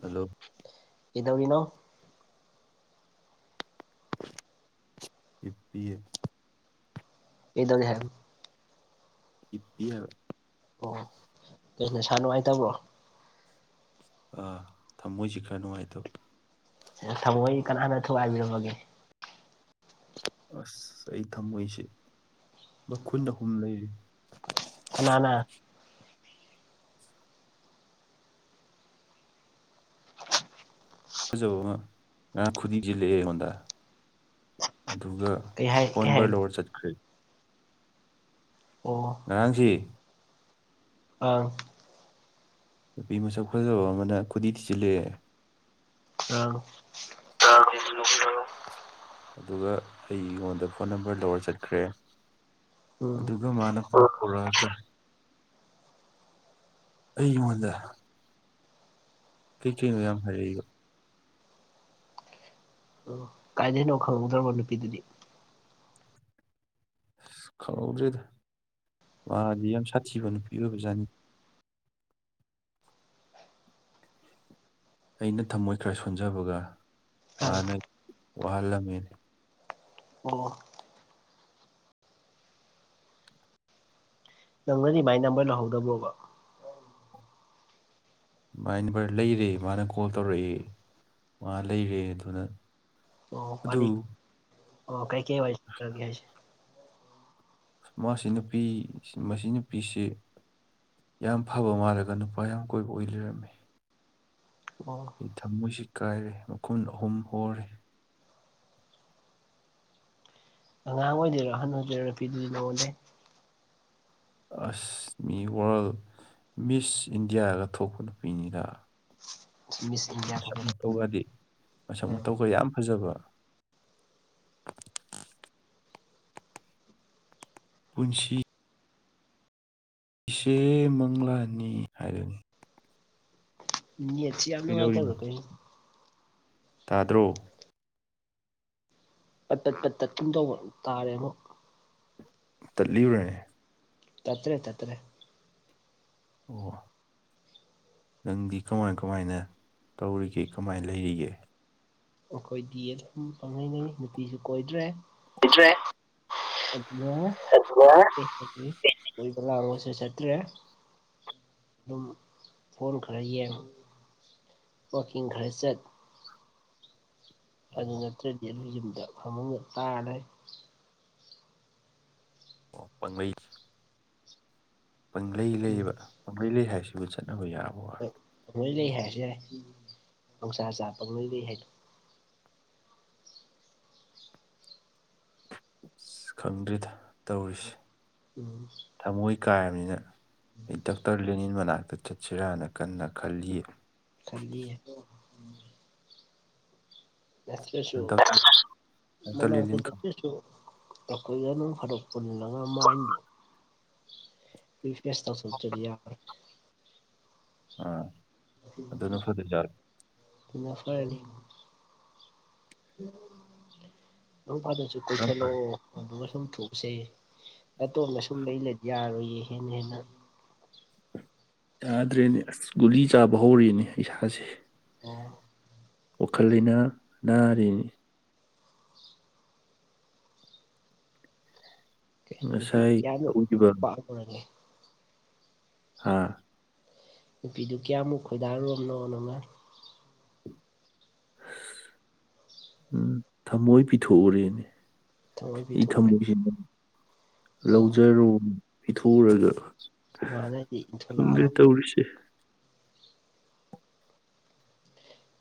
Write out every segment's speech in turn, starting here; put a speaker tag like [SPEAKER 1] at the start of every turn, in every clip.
[SPEAKER 1] Hello
[SPEAKER 2] ꯀꯩꯗꯧꯔꯤꯅꯣ
[SPEAKER 1] ꯍꯤꯞꯄꯤꯌꯦ
[SPEAKER 2] ꯀꯩꯗꯧꯔꯤ ꯍꯥꯢꯝ
[SPEAKER 1] ꯏꯕꯤ ꯌꯥ
[SPEAKER 2] ꯑꯣ ꯀꯩ ꯅꯁꯥ ꯅꯨꯡꯉꯥꯏꯇꯕ꯭ꯔꯣ
[SPEAKER 1] ꯑꯥ ꯊꯃꯣꯏꯁꯤ ꯈꯔ ꯅꯨꯡꯉꯥꯏꯇꯕ
[SPEAKER 2] ꯊꯃꯣꯏꯗꯤ ꯀꯅꯥꯅ ꯊꯨꯒꯥꯏꯕꯤꯔꯝꯃꯒꯦ
[SPEAKER 1] ꯑꯁ ꯑꯩ ꯊꯝꯃꯣꯏꯁꯦ ꯃꯈꯨꯟ ꯑꯍꯨꯝ ꯂꯩꯔꯤ
[SPEAKER 2] ꯀꯅꯥꯅ
[SPEAKER 1] ꯐꯖꯕ ꯑꯃ ꯉꯔꯥꯡ ꯈꯨꯗꯤ ꯊꯤꯜꯂꯛꯑꯦ ꯑꯩꯉꯣꯟꯗ ꯑꯗꯨꯒ
[SPEAKER 2] ꯀꯩ ꯍꯥꯏ ꯀꯩ ꯍꯥꯏ
[SPEAKER 1] ꯐꯣꯟꯕꯔ ꯂꯧꯔ ꯆꯠꯈꯔꯦ
[SPEAKER 2] ꯑꯣ
[SPEAKER 1] ꯉꯔꯥꯡꯁꯤ
[SPEAKER 2] ꯑꯪ
[SPEAKER 1] ꯅꯨꯄꯤ ꯃꯁꯛ ꯈꯖꯕ ꯑꯃꯅ ꯈꯨꯗꯤ ꯊꯤꯖꯤꯤꯜꯂꯛꯑꯦ
[SPEAKER 2] ꯎꯪ
[SPEAKER 1] ꯆꯣ ꯑꯗꯨꯒ ꯑꯩꯉꯣꯟꯗ ꯐꯣꯟ ꯅꯝꯕꯔ ꯂꯧꯔ ꯆꯠꯈ꯭ꯔꯦ
[SPEAKER 2] ꯎꯝ
[SPEAKER 1] ꯑꯗꯨꯒ ꯃꯥꯅ ꯑꯩ ꯌꯉꯣꯟꯗ ꯀꯩ ꯀꯩꯅꯣ ꯌꯥꯝ ꯍꯥꯏꯔꯛꯢꯕ
[SPEAKER 2] ꯑꯣ ꯀꯥꯏꯗꯅꯣ ꯈꯪꯍꯧꯗꯧꯕ ꯅꯨꯄꯤꯗꯨꯗꯤ
[SPEAKER 1] ꯑꯁ ꯈꯥꯎꯍꯧꯗ꯭ꯔꯦꯗ ꯃꯥꯗꯤ ꯌꯥꯝ ꯁꯥꯊꯤꯕ ꯅꯨꯄꯤ ꯑꯣꯏꯕꯖꯥꯅꯤ ꯑꯩꯅ ꯊꯃꯣꯏ ꯈꯔ ꯁꯣꯟꯖꯕꯒ
[SPEAKER 2] ꯑꯪ
[SPEAKER 1] ꯃꯥꯅ ꯋꯥꯍꯜꯂꯝꯃꯦꯅꯦ
[SPEAKER 2] ꯑꯣ ꯅꯪꯅꯗꯤ ꯃꯥꯏ ꯅꯝꯕꯔ ꯂꯧꯍꯧꯗꯕ꯭ꯔꯣꯕ
[SPEAKER 1] ꯑꯗꯨꯃꯥꯏꯅ ꯚꯔ ꯂꯩꯔꯦ ꯃꯥꯅ ꯀꯣꯜ ꯇꯧꯔꯛꯑꯦ ꯃꯥ ꯂꯩꯔꯦ ꯑꯗꯨꯅ
[SPEAKER 2] ꯑꯣ
[SPEAKER 1] ꯑꯗꯨ
[SPEAKER 2] ꯐꯅꯤ ꯑꯣ ꯀꯩ ꯀꯩ ꯍꯥꯏ ꯀ
[SPEAKER 1] ꯃꯥꯁꯤ ꯅꯨꯄꯤ ꯃꯁꯤ ꯅꯨꯄꯤꯁꯤ ꯌꯥꯝ ꯐꯕ ꯃꯥꯜꯂꯒ ꯅꯨꯄꯥ ꯌꯥꯝ ꯀꯣꯏꯕ ꯑꯣꯏ ꯂꯩꯔꯝꯃꯤ
[SPEAKER 2] ꯑꯣ
[SPEAKER 1] ꯊꯃꯣꯏꯁꯤ ꯀꯥꯏꯔꯦ ꯃꯈꯨꯟ ꯑꯍꯨꯝ ꯍꯔꯦ
[SPEAKER 2] ꯑꯉꯥꯡ ꯑꯣꯏꯗꯣꯏꯔꯣ ꯑꯍꯟ ꯑꯣꯏꯗꯣꯢꯔꯣ ꯅꯨꯄꯤꯗꯨꯗꯤ ꯅꯉꯣꯟꯗꯩ
[SPEAKER 1] ꯑꯁ ꯃꯤ ꯋꯥꯔꯜ ꯃꯤꯁ ꯏꯟꯗꯤꯌꯥꯒ ꯊꯣꯛꯄ ꯅꯨꯄꯤꯅꯤꯗ
[SPEAKER 2] ꯃꯤꯁ
[SPEAKER 1] ꯃꯁꯛ
[SPEAKER 2] ꯊꯣꯛꯄꯅꯤ
[SPEAKER 1] ꯃꯇꯧꯒꯗꯤ ꯃꯁꯛ ꯃꯇꯧꯒ ꯌꯥꯝ ꯐꯖꯕ ꯄꯨꯟꯁꯤ ꯏꯆꯦ ꯃꯪꯂꯥꯅꯤ ꯍꯥꯏꯔꯅꯤ
[SPEAKER 2] ꯅꯦꯠꯁꯤ ꯌꯥꯝ
[SPEAKER 1] ꯀꯩꯗꯧꯔꯤꯅꯣ
[SPEAKER 2] ꯅꯨꯡꯉꯥꯏꯇꯕ꯭ꯔꯥ ꯀꯩꯅꯣ
[SPEAKER 1] ꯇꯥꯗ꯭ꯔꯣ
[SPEAKER 2] ꯄꯠ ꯇꯠ ꯄꯠ ꯇꯠ ꯇꯨꯝꯗꯧꯕ ꯇꯥꯔꯦ ꯑꯃꯛ
[SPEAKER 1] ꯇꯠꯂꯤꯕ꯭ꯔꯥꯅꯦ
[SPEAKER 2] ꯇꯠꯇ꯭ꯔꯦ ꯇꯠꯇ꯭ꯔꯦ
[SPEAKER 1] ꯑꯣ ꯅꯪꯗꯤ ꯀꯃꯥꯏ ꯀꯃꯥꯏꯅ ꯇꯧꯔꯤꯒꯦ ꯀꯃꯥꯏꯅ ꯂꯩꯔꯤꯒꯦ
[SPEAKER 2] ꯑꯩꯈꯣꯏꯗꯤ ꯑꯗꯨꯝ ꯄꯪ ꯂꯩ ꯂꯩꯔꯤ ꯅꯨꯄꯤꯁꯨ ꯀꯣꯏꯗ꯭ꯔꯦ ꯑꯗꯨꯅ ꯀꯣꯢꯕ ꯂꯥꯡꯕꯁꯨ ꯆꯠꯇ꯭ꯔꯦ ꯑꯗꯨꯝ ꯐꯣꯟ ꯈꯔ ꯌꯦꯡ ꯋꯥꯀꯤꯡ ꯈꯔ ꯆꯠ
[SPEAKER 1] ꯑꯣ
[SPEAKER 2] ꯑꯗꯨ ꯅꯠꯇ꯭ꯔꯗꯤ ꯑꯗꯨ ꯌꯨꯝꯗ ꯐꯃꯨꯡꯗ ꯇꯥꯔꯥ ꯂꯩꯔꯦ
[SPEAKER 1] ꯑꯣ ꯄꯪꯂꯩ ꯄꯪꯂꯩ ꯂꯩ
[SPEAKER 2] ꯎꯝ
[SPEAKER 1] ꯂꯩꯕ ꯄꯪꯂꯩ ꯂꯩ ꯍꯥꯏꯕꯁꯤꯕꯨ ꯆꯠꯅꯕ ꯌꯥꯕ ꯋꯥ
[SPEAKER 2] ꯍꯣꯏ ꯄꯪꯂꯩ ꯂꯩ ꯍꯥꯏꯔꯁꯨ ꯌꯥꯏ ꯄꯪ ꯆꯥ ꯆꯥ ꯄꯪ ꯂꯩ ꯂꯩ ꯍꯥꯢꯗꯣ꯫
[SPEAKER 1] ꯈꯪꯗ꯭ꯔꯦꯗ ꯇꯧꯔꯤꯁꯤ
[SPEAKER 2] ꯎꯝ
[SPEAKER 1] ꯊꯃꯣꯏ ꯀꯥꯏꯔꯕꯅꯤꯅ ꯑꯩ ꯗꯥꯛꯇꯔ ꯂꯦꯅꯤꯟ ꯃꯅꯥꯛꯇ ꯆꯠꯁꯤꯔꯥꯅ ꯀꯟꯅ ꯈꯜꯂꯤꯌꯦ
[SPEAKER 2] ꯈ ꯅꯠꯇꯔꯁꯨ
[SPEAKER 1] ꯗꯥꯛꯇꯔ
[SPEAKER 2] ꯃꯅꯥꯛꯇ
[SPEAKER 1] ꯂꯦꯅꯤꯟ ꯈꯪ
[SPEAKER 2] ꯅꯠꯇꯔꯁꯨ ꯑꯩꯈꯣꯏꯒ ꯅꯣꯡ ꯐꯥꯗꯣꯛ ꯄꯨꯜꯂꯒ ꯃꯥꯏꯟꯗꯣ ꯐ ꯐꯦꯁ ꯇ ꯆꯣꯟꯖꯔꯤ
[SPEAKER 1] ꯎꯝ
[SPEAKER 2] [inaudible] ꯑꯗꯨꯅ ꯐꯔꯅꯤ꯫ ꯅꯣꯡꯏꯥꯗꯣꯛꯁꯨ
[SPEAKER 1] ꯀꯔꯝ
[SPEAKER 2] ꯀꯩꯊꯅꯣ
[SPEAKER 1] ꯀꯥꯟ
[SPEAKER 2] ꯑꯗꯨꯒ ꯁꯨꯝ ꯊꯣꯛꯁꯦ ꯑꯇꯣꯝꯅ ꯁꯨꯝ ꯅꯩ ꯂꯩꯔꯗꯤ ꯌꯥꯔꯔꯣꯏꯌꯦ ꯍꯦꯟꯅ ꯍꯦꯟꯅ
[SPEAKER 1] ꯌꯥꯗ꯭ꯔꯦꯅꯦ ꯑꯁ ꯒꯨꯂꯤ ꯆꯥꯕ ꯍꯧꯔꯅꯦ ꯏꯁꯥꯁꯦ
[SPEAKER 2] ꯑꯣ
[SPEAKER 1] ꯋꯥꯈꯜ ꯂꯩꯅꯥ ꯅꯥꯔꯦꯅꯦ
[SPEAKER 2] [inaudible] ꯅꯨꯄꯤꯗꯨ
[SPEAKER 1] ꯉꯁꯥꯏ
[SPEAKER 2] ꯀꯌꯥꯃꯨꯛ
[SPEAKER 1] ꯇꯧꯈꯤꯕ
[SPEAKER 2] ꯄꯥꯝꯕ꯭ꯔꯅꯦ
[SPEAKER 1] ꯑꯥ
[SPEAKER 2] ꯅꯨꯄꯤꯗꯨ ꯀꯌꯥꯃꯨꯛ ꯈꯣꯏꯗꯥꯔꯨꯔꯕꯅꯣ ꯅꯪꯅ
[SPEAKER 1] ꯎꯝ ꯊꯃꯣꯏ ꯄꯤꯊꯣꯛꯎꯔꯦꯅꯦ
[SPEAKER 2] ꯊꯃꯣꯏ
[SPEAKER 1] ꯑꯩ
[SPEAKER 2] ꯄꯤꯊꯣꯛꯎꯔꯦ
[SPEAKER 1] ꯊꯝꯃꯣꯏꯁꯤ ꯅꯪ ꯂꯧꯖꯔꯣ ꯄꯤꯊꯣꯛꯎꯔꯅꯣ
[SPEAKER 2] ꯃꯥꯅꯗꯤ
[SPEAKER 1] ꯈꯪꯗꯦ
[SPEAKER 2] ꯏꯟꯊꯣꯂꯛꯑꯕ
[SPEAKER 1] ꯇꯧꯔꯤꯁꯦ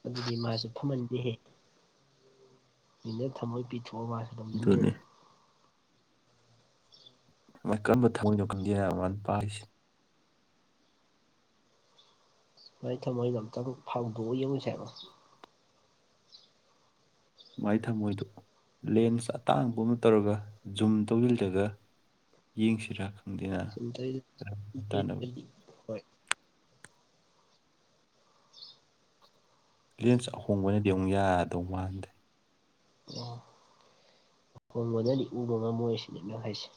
[SPEAKER 2] ꯑꯗꯨꯗꯤ ꯃꯥꯁꯨ ꯐꯃꯟꯗꯦꯍꯦ ꯃꯤꯅ ꯊꯝꯃꯣꯏ ꯄꯤꯊꯣꯛꯑ ꯃꯥꯁꯨ
[SPEAKER 1] ꯑꯗꯨꯅꯦ
[SPEAKER 2] ꯂꯧꯁꯤꯟꯗ꯭ꯔꯗꯤ
[SPEAKER 1] ꯚꯥꯢ ꯀꯔꯝꯕ ꯊꯃꯣꯏꯅꯣ ꯈꯪꯗꯦ ꯍꯥꯢꯕ ꯃꯥꯅ ꯄꯥꯜꯂꯤꯁꯤ
[SPEAKER 2] ꯃꯥꯏ ꯊꯝꯃꯣꯏꯗꯣ ꯑꯝꯇꯪ ꯐꯥꯎꯗꯣꯛꯑꯒ ꯌꯦꯡꯉꯨꯁꯦ ꯍꯥꯏꯕꯔꯣ
[SPEAKER 1] ꯃꯥꯏ ꯊꯝꯃꯣꯏꯗꯣ ꯂꯦꯟꯁ ꯑꯇꯥꯡꯕ ꯑꯃ ꯇꯧꯔꯒ ꯖꯨꯝ ꯇꯧꯁꯤꯜꯂꯒ ꯌꯦꯡꯁꯤꯔꯥ ꯈꯪꯗꯦꯅ
[SPEAKER 2] ꯁꯨꯝ ꯇꯧꯔꯤꯗꯣ
[SPEAKER 1] ꯇꯥꯅꯕ
[SPEAKER 2] ꯌꯦꯠꯄꯗꯤ ꯍꯣꯏ [inaudible]
[SPEAKER 1] ꯂꯦꯟꯁ ꯑꯍꯣꯡꯕꯅꯗꯤ ꯑꯃꯨꯛ ꯌꯥꯗꯧ ꯃꯥꯟꯗꯦ
[SPEAKER 2] ꯑꯍꯣꯡꯕꯅꯗꯤ ꯎꯕ ꯉꯝꯃꯣꯏꯁꯤꯅꯦ ꯅꯪ ꯍꯥꯏꯁꯦ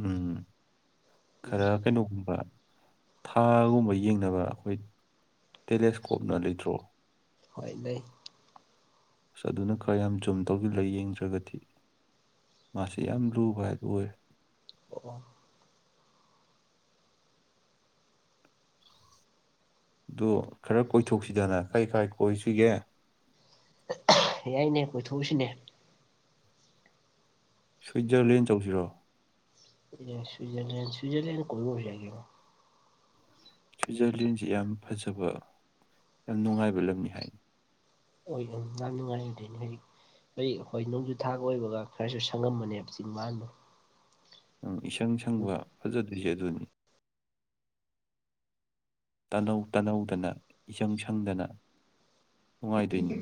[SPEAKER 1] ꯎꯝ ꯈꯔ ꯀꯩꯅꯣꯒꯨꯝꯕ ꯊꯥꯒꯨꯝꯕ ꯌꯦꯡꯅꯕ ꯑꯩꯈꯣꯏ ꯇꯦꯂꯦꯁꯀꯣꯞꯅ ꯂꯩꯇ꯭ꯔꯣ
[SPEAKER 2] ꯍꯣꯏ ꯂꯩ
[SPEAKER 1] ꯑꯁ ꯑꯗꯨꯅ ꯈꯔ ꯌꯥꯝ ꯆꯨꯝ ꯇꯧꯁꯤꯜꯂ ꯌꯦꯡꯗ꯭ꯔꯒꯗꯤ ꯃꯥꯁꯤ ꯌꯥꯝ ꯂꯨꯕ ꯍꯥꯏꯗꯨ ꯑꯣꯏꯔꯦ
[SPEAKER 2] ꯑꯣ
[SPEAKER 1] ꯑꯗꯨ ꯈꯔ ꯀꯣꯏꯊꯣꯛꯁꯤꯗꯅ ꯀꯩ ꯀꯥꯏ ꯀꯣꯏꯁꯤꯒꯦ
[SPEAKER 2] ꯍ ꯌꯥꯏꯅꯦ ꯀꯣꯏꯊꯣꯛꯎꯁꯤꯅꯦ
[SPEAKER 1] ꯁ꯭ꯋꯤꯖꯔꯂꯦꯟ ꯆꯠꯂꯨꯁꯤꯔꯣ
[SPEAKER 2] ꯁꯨꯏꯖꯔꯂꯦꯟ ꯁꯨꯏꯖꯔꯂꯦꯟ ꯀꯣꯢꯔꯨꯔꯁꯨ ꯌꯥꯢ ꯀꯩꯅꯣ
[SPEAKER 1] ꯁ꯭ꯋꯤꯖꯔꯂꯦꯟꯁꯤ ꯌꯥꯝ ꯐꯖꯕ ꯌꯥꯝ ꯅꯨꯡꯉꯥꯏꯕ ꯂꯝꯅꯤ ꯍꯥꯏ
[SPEAKER 2] ꯑꯣꯗꯣꯢꯅꯦ ꯌꯥꯝ ꯅꯨꯡꯉꯥꯢꯅꯗ꯭ꯔꯦꯅꯦ ꯍꯧꯖꯤꯛ ꯑꯩ ꯍꯣꯏ ꯅꯣꯡꯖꯨ ꯊꯥ ꯑꯣꯏꯕꯒ ꯈꯔꯁꯨ ꯁꯪꯉꯝꯃꯅꯦꯕ ꯆꯤꯡꯃꯥꯟꯗꯣ
[SPEAKER 1] ꯎꯝ ꯏꯁꯪ ꯁꯪꯕ ꯐꯖꯗꯣꯏꯖꯦ ꯑꯗꯨꯅꯤ ꯇꯅꯧ ꯇꯅꯧꯗꯅ ꯏꯁꯪ ꯁꯪꯗꯅ ꯅꯨꯡꯉꯥꯏꯗꯣꯏꯅꯤ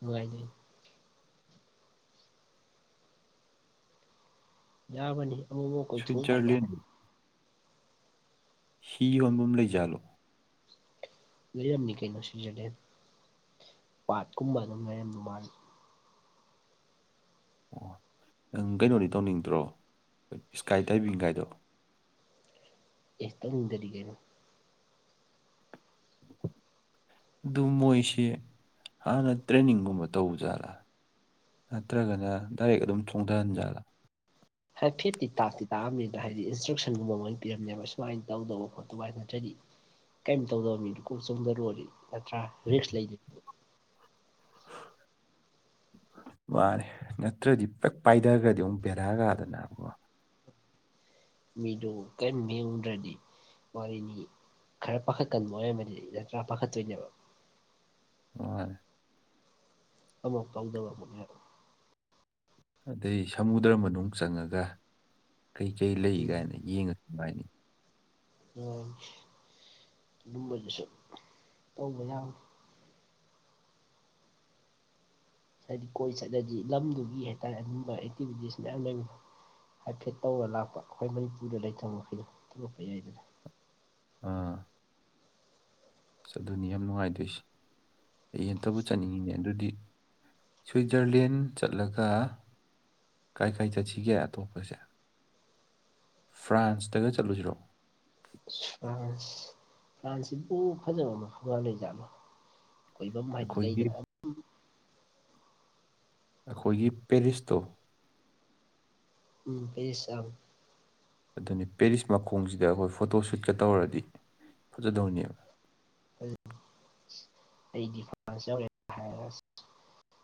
[SPEAKER 2] ꯅꯨꯡꯉꯥꯢꯅꯤ ꯌꯥꯕꯅꯤ ꯑꯃꯨꯛ ꯑꯃꯨꯛ ꯀꯣꯏꯊꯣꯛꯎ
[SPEAKER 1] ꯁ꯭ꯋꯤꯠꯖꯔꯂꯦꯟ
[SPEAKER 2] ꯍꯥꯏꯇꯥꯔꯦ
[SPEAKER 1] ꯍꯤ ꯌꯣꯟꯕꯝ ꯂꯩꯖꯥꯠꯜꯂꯣ
[SPEAKER 2] ꯂꯩꯔꯝꯅꯤ ꯀꯩꯅꯣ ꯁꯤꯖꯔꯂꯦꯟ ꯄꯥꯠꯀꯨꯝꯕ ꯑꯗꯨꯝ ꯂꯩꯔꯝꯗꯨ ꯃꯥꯜꯂꯤ
[SPEAKER 1] ꯑꯣ ꯅꯪ ꯀꯩꯅꯣꯗꯤ ꯇꯧꯅꯤꯡꯗ꯭ꯔꯣ ꯏꯁꯀꯥꯏ ꯗꯥꯏꯕꯤꯡꯒꯥꯏꯗꯣ
[SPEAKER 2] ꯑꯦ ꯇꯧꯅꯤꯡꯗ꯭ꯔꯗꯤ ꯀꯩꯅꯣ
[SPEAKER 1] ꯑꯗꯨ ꯃꯣꯏꯁꯦ ꯍꯥꯟꯅ ꯇ꯭ꯔꯦꯟꯅꯤꯡꯒꯨꯝꯕ ꯇꯧꯕꯖꯥꯠꯂ ꯅꯠꯇ꯭ꯔꯒꯅ ꯗꯥꯏꯔꯦꯛ ꯑꯗꯨꯝ ꯆꯣꯡꯊꯍꯟꯆꯦ ꯍꯥꯢꯕ꯭ꯔꯥ
[SPEAKER 2] ꯍꯥꯏꯐꯦꯠꯇꯤ ꯇꯥꯛꯇꯤ ꯇꯥꯛꯑꯝꯅꯤꯅ ꯍꯥꯏꯗꯤ ꯏꯟꯁꯇ꯭ꯔꯛꯁꯟꯒꯨꯝꯕ ꯃꯣꯏꯅ ꯄꯤꯔꯝꯅꯦꯕ ꯁꯨꯃꯥꯏꯅ ꯇꯧꯗꯧꯕ ꯈꯣꯠꯇꯧꯕ ꯍꯥꯏꯅ ꯅꯠꯇ꯭ꯔꯗꯤ ꯀꯩꯝ ꯇꯧꯗꯕ ꯃꯤꯗꯨ ꯀꯣꯛ ꯆꯣꯡꯊꯔꯨꯔꯗꯤ ꯅꯠꯇ꯭ꯔꯥ ꯔꯤꯛꯁ ꯂꯩ [unintelligible]
[SPEAKER 1] ꯃꯥꯅꯦ ꯅꯠꯇ꯭ꯔꯗꯤ ꯄꯦꯛ ꯄꯥꯏꯊꯈ꯭ꯔꯗꯤ ꯑꯃꯨꯛ ꯕꯦꯔꯥꯒꯗꯅꯀꯣ
[SPEAKER 2] ꯃꯤꯗꯨ ꯀꯦꯝ ꯌꯦꯡꯗ꯭ꯔꯗꯤ ꯋꯥꯔꯤꯅꯤ ꯈꯔ ꯄꯥꯈꯠꯀꯟꯕꯣ ꯍꯥꯏꯔꯝꯃꯗꯤ ꯅꯠꯇ꯭ꯔꯥ ꯄꯥꯈꯠꯇꯣꯏꯅꯦꯕ
[SPEAKER 1] ꯍꯣꯏ
[SPEAKER 2] ꯑꯃꯐꯥꯎ ꯇꯧꯗꯕ ꯑꯃꯒ ꯍꯥꯢꯔꯛꯑꯣ
[SPEAKER 1] ꯑꯗꯩ ꯁꯃꯨꯗ꯭ꯔ ꯃꯅꯨꯡ ꯆꯪꯉꯒ ꯀꯩꯀꯩ ꯂꯩ
[SPEAKER 2] ꯎꯝ
[SPEAKER 1] ꯀꯥꯏꯅ ꯌꯦꯡꯉꯥꯗꯤ ꯅꯨꯡꯉꯥꯢꯅꯤ
[SPEAKER 2] ꯑ ꯑꯗꯨꯝꯕꯗꯨꯁꯨ ꯇꯧꯕ ꯌꯥ ꯍꯥꯏꯗꯤ ꯀꯣꯏ ꯆꯠꯂꯗꯤ ꯂꯝꯗꯨꯒꯤ ꯍꯥꯏꯇꯥꯔꯦ ꯑꯗꯨꯝꯕ ꯑꯦꯛꯇꯤꯚꯤꯇꯤꯁ ꯃꯌꯥꯝ ꯂꯩ ꯍꯥꯏꯐꯦꯠ ꯇꯧꯔ ꯂꯥꯛꯄ ꯑꯩꯈꯣꯏ ꯃꯅꯤꯄꯨꯔꯗ ꯂꯩꯇꯕ ꯃꯈꯩꯗꯣ ꯇꯧꯔꯛꯄ ꯌꯥꯏꯗꯅ
[SPEAKER 1] ꯑ ꯑꯗꯨꯅꯤ ꯌꯥꯝ ꯅꯨꯡꯉꯥꯏꯗꯣꯏꯁꯦ ꯑꯩ ꯑꯝꯇꯕꯨ ꯆꯠꯅꯤꯡꯉꯤꯅꯦ ꯑꯗꯨꯗꯤ ꯁ꯭ꯋꯤꯠꯖꯔꯂꯦꯟ ꯆꯠꯂꯒ ꯀꯥꯏ ꯀꯥꯏ ꯆꯠꯁꯤꯒꯦ ꯑꯇꯣꯞꯄꯁꯦ ꯐ꯭ꯔꯥꯟꯁꯇꯒ ꯆꯠꯂꯨꯖꯤꯔꯣ
[SPEAKER 2] ꯐ꯭ꯔꯥꯟꯁ ꯐ꯭ꯔꯥꯟꯁꯁꯤꯕꯨ ꯐꯖꯕ ꯃꯐꯝꯒ ꯂꯩꯖꯥꯠꯂꯣ ꯀꯣꯏꯕꯝ ꯍꯥꯏꯗꯤ
[SPEAKER 1] ꯑꯩꯈꯣꯏꯒꯤ
[SPEAKER 2] ꯂꯩꯗꯅ
[SPEAKER 1] ꯑꯩꯈꯣꯏꯒꯤ ꯄꯦꯔꯤꯁꯇꯣ
[SPEAKER 2] ꯎꯝ [inaudible]
[SPEAKER 1] ꯑꯗꯨꯅꯤ ꯄꯦꯔꯤꯁ ꯃꯈꯣꯡꯖꯤꯗ ꯑꯩꯈꯣꯏ ꯐꯣꯇꯣ ꯁꯨꯠꯀ ꯇꯧꯔꯗꯤ ꯐꯖꯗꯧꯅꯦꯕ
[SPEAKER 2] [inaudible] ꯑꯩꯗꯤ [unintelligible] ꯌꯧꯔꯦ ꯍꯥꯏꯔ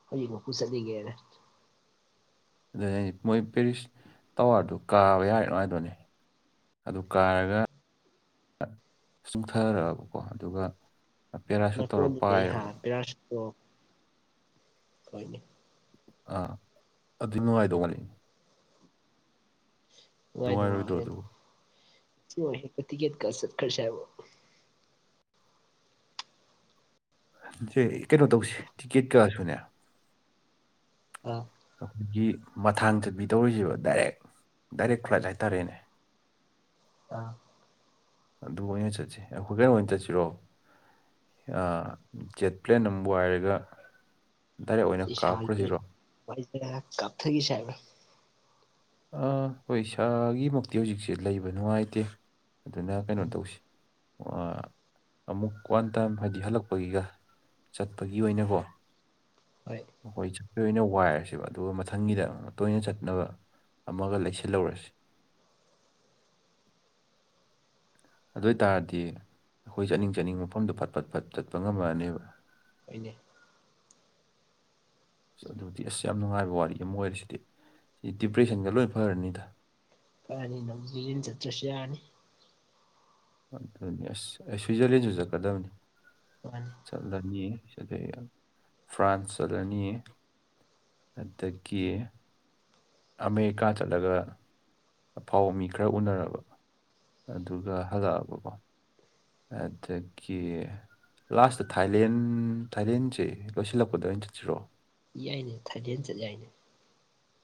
[SPEAKER 2] ꯍꯧꯖꯤꯛꯃꯛꯄꯨꯄꯨ ꯆꯠꯅꯤꯠꯉꯛꯑꯦꯗ
[SPEAKER 1] ꯑꯗꯨ ꯑꯩ ꯃꯣꯏ ꯄꯦꯔꯤꯁ ꯇꯥꯋꯥꯔꯗꯨꯣ ꯀꯥꯕ ꯌꯥꯔ ꯍꯥꯏꯗꯅꯦ ꯑꯗꯨ ꯀꯥꯔꯒ ꯆꯨꯡꯊꯔꯛꯑꯕꯀꯣ ꯑꯗꯨꯒ ꯄꯦꯔꯥꯁꯨꯠ ꯇꯧꯔ
[SPEAKER 2] ꯃꯇꯣꯟꯗꯨꯗꯩ ꯍꯥ
[SPEAKER 1] ꯄꯥꯏꯔꯕ
[SPEAKER 2] ꯄꯦꯔꯥꯥꯁꯨꯇ ꯇꯧꯔ ꯍꯣꯏꯅꯦ
[SPEAKER 1] ꯑꯥ ꯑꯗꯨꯏ ꯅꯨꯡꯉꯥꯏꯗꯧ ꯃꯥꯜꯂꯤ
[SPEAKER 2] ꯅꯨꯡꯋꯥꯏ
[SPEAKER 1] ꯅꯨꯡꯉꯥꯏꯔꯣꯏꯗ꯭ꯔꯣ
[SPEAKER 2] ꯃꯥꯜꯂꯦꯅꯦ
[SPEAKER 1] ꯑꯗꯨꯕꯨ
[SPEAKER 2] [unintelligible] ꯇꯤꯀꯦꯠ ꯀꯛꯑ ꯆꯠ ꯈ꯭ꯔꯁꯦ ꯍꯥꯏꯕ꯭ꯔꯣ
[SPEAKER 1] ꯁꯦ ꯀꯩꯅꯣ ꯇꯧꯁꯦ ꯇꯤꯛꯀꯦꯠ ꯀꯛ ꯑꯁꯨꯅꯦ
[SPEAKER 2] ꯑ
[SPEAKER 1] ꯑꯩꯈꯣꯏꯒꯤ ꯃꯊꯥꯡ ꯆꯠꯕꯤ ꯇꯧꯔꯤꯁꯦꯕ ꯗꯥꯏꯔꯦꯛ ꯗꯥꯏꯔꯦꯛ ꯐ꯭ꯂꯥꯏꯠ ꯍꯥꯏꯇꯥꯔꯦꯅꯦ
[SPEAKER 2] ꯑ
[SPEAKER 1] ꯑꯗꯨ ꯑꯣꯏꯅ ꯆꯠꯁꯦ ꯑꯩꯈꯣꯏ ꯀꯩꯅꯣ ꯑꯣꯏꯅ ꯆꯠꯁꯤꯔꯣ ꯑ ꯖꯦꯠ ꯄ꯭ꯂꯦꯟ ꯑꯃ ꯋꯥꯏꯔꯒ ꯗꯥꯏꯔꯦꯛ ꯑꯣꯏꯅ
[SPEAKER 2] ꯏꯁꯥꯒꯤ
[SPEAKER 1] ꯀꯥꯞꯈ꯭ꯔꯁꯤꯔꯣ
[SPEAKER 2] [unintelligible] ꯀꯥꯞꯊꯒꯤꯁꯦ ꯍꯥꯏꯕ꯭ꯔꯣ
[SPEAKER 1] ꯑ ꯍꯣꯏ ꯏꯁꯥꯒꯤꯃꯛꯇꯤ ꯍꯧꯖꯤꯛꯁꯦ ꯂꯩꯕ ꯅꯨꯡꯉꯥꯏꯇꯦ ꯑꯗꯨꯅ ꯀꯩꯅꯣ
[SPEAKER 2] ꯎꯝ
[SPEAKER 1] ꯇꯧꯁꯤ ꯑ,
[SPEAKER 2] [inaudible]
[SPEAKER 1] ꯑꯃꯨꯛ ꯋꯥꯟ ꯇꯥꯏꯝ ꯍꯥꯏꯗꯤ ꯍꯜꯂꯛꯄꯒꯤꯒ ꯆꯠꯄꯒꯤ ꯑꯣꯏꯅꯀꯣ
[SPEAKER 2] ꯍꯣꯏ
[SPEAKER 1] ꯑꯩꯈꯣꯏ ꯆꯠꯄ ꯑꯣꯏꯅ ꯋꯥꯏꯔꯁꯦꯕ ꯑꯗꯨꯒ ꯃꯊꯪꯒꯤꯗ ꯇꯣꯏꯅ ꯆꯠꯅꯕ ꯑꯃꯒ ꯂꯩꯁꯤꯜꯍꯧꯔꯁꯤ ꯑꯗꯨ ꯑꯣꯏ ꯇꯥꯔꯗꯤ ꯑꯩꯈꯣꯏ ꯆꯠꯅꯤꯡ ꯆꯠꯅꯤꯡꯕ ꯃꯐꯝꯗꯣ ꯐꯠ ꯐꯠ ꯐꯠ ꯆꯠꯄ ꯉꯝꯃꯛꯑꯅꯤꯕ
[SPEAKER 2] ꯍꯣꯏꯅꯦ
[SPEAKER 1] ꯑꯁ ꯑꯗꯨꯕꯨꯗꯤ ꯑꯁ ꯌꯥꯝ ꯅꯨꯡꯉꯥꯏꯕ ꯋꯥꯔꯤ ꯑꯃ ꯑꯣꯏꯔꯦ ꯁꯤꯗꯤ ꯁꯤ ꯗꯤꯄ꯭ꯔꯦꯁꯟꯒ ꯂꯣꯏ ꯐꯔꯅꯤꯗ
[SPEAKER 2] ꯀꯅꯤ ꯅ ꯆꯠ ꯆ꯭ꯔꯁꯤ ꯌꯥꯅꯤ
[SPEAKER 1] ꯑꯗꯨꯅꯤ ꯑꯁ ꯁ꯭ꯋꯤꯖꯔꯂꯦꯟꯁꯨ ꯆꯠꯀꯗꯕꯅꯤ
[SPEAKER 2] [unintelligible]
[SPEAKER 1] ꯆꯠꯂꯅꯤ ꯑꯗꯩ ꯐ꯭ꯔꯥꯟꯁ ꯆꯠꯂꯅꯤꯌꯦ ꯑꯗꯒꯤ ꯑꯃꯦꯔꯤꯀꯥ ꯆꯠꯂꯒ ꯑꯐꯥꯎꯕ ꯃꯤ ꯈꯔ ꯎꯅꯔꯕ ꯑꯗꯨꯒ ꯍꯜꯂꯛꯑꯕꯀꯣ ꯑꯗꯒꯤ ꯂꯥꯁꯇ ꯊꯥꯏꯂꯦꯟ ꯊꯥꯏꯂꯦꯟꯁꯦ ꯂꯣꯏꯁꯤꯜꯂꯛꯄꯗ ꯑꯣꯏꯅ ꯆꯠꯁꯤꯔꯣ
[SPEAKER 2] ꯌꯥꯏꯅꯦ ꯊꯥꯏꯂꯦꯟ ꯆꯠ ꯌꯥꯏꯅꯦ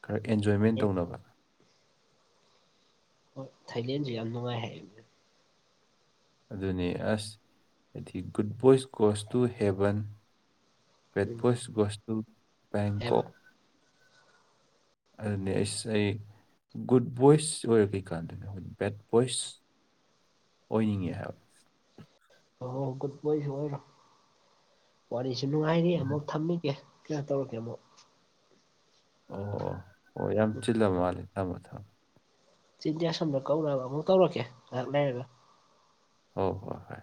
[SPEAKER 1] ꯈꯔ ꯑꯦꯟꯖꯣꯏꯃꯦꯟ
[SPEAKER 2] ꯑꯦ
[SPEAKER 1] ꯇꯧꯅꯕ
[SPEAKER 2] ꯍꯣꯏ ꯊꯥꯏꯂꯦꯟꯁꯨ ꯌꯥꯝ ꯅꯨꯡꯉꯥꯏ ꯍꯥꯏꯌꯦ
[SPEAKER 1] ꯑꯗꯨꯅꯦ ꯑꯁ ꯍꯥꯏꯗꯤ ꯒꯨꯗ ꯚꯣꯏꯁ ꯀꯣꯁ ꯇꯨ ꯍꯦꯕꯟ ꯄꯦꯠ
[SPEAKER 2] ꯎꯝ
[SPEAKER 1] ꯄꯣꯁ ꯣꯁ ꯇꯨ ꯄꯦꯡꯀꯣ
[SPEAKER 2] ꯍꯥꯏꯕ
[SPEAKER 1] ꯑꯗꯨꯅꯤ ꯑꯩꯁ ꯑꯩ ꯒꯨꯗ ꯚꯣꯏꯁ ꯑꯣꯏꯔ ꯀꯩꯀꯥꯟꯗꯨꯅꯦ ꯑꯩꯈꯣꯏ ꯕꯦꯠ ꯚꯣꯏꯁ
[SPEAKER 2] [inaudible]
[SPEAKER 1] ꯑꯣꯏꯅꯤꯡꯉꯦ ꯍꯥꯏꯕ
[SPEAKER 2] ꯑꯣ ꯒꯨꯠ ꯃꯣꯏꯁꯨ ꯑꯣꯏꯔꯣ ꯋꯥꯔꯤꯁꯨ ꯅꯨꯡꯉꯥꯏꯔꯤ ꯑꯃꯨꯛ ꯊꯝꯃꯤꯒꯦ ꯀ ꯇꯧ ꯀꯃꯣ
[SPEAKER 1] ꯑꯣ ꯑꯣ ꯌꯥꯝ ꯆꯤꯜꯂ ꯃꯥꯂꯦ ꯊꯝꯃꯣ ꯊꯝꯃꯣ
[SPEAKER 2] ꯆꯤꯟꯖꯌꯥꯁꯟꯗ ꯀꯧꯅꯕ ꯑꯃꯨꯛ ꯀꯧꯔꯛꯀꯦ ꯉꯥꯏꯍꯥꯛ ꯂꯩꯔꯒ
[SPEAKER 1] ꯑꯣ ꯍꯣꯏ ꯍꯣꯏ